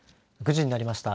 ９時になりました。